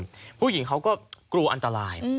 ก็พี่หญิงก็กลัวอันตราย